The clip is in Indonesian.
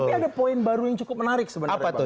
tapi ada poin baru yang cukup menarik sebenarnya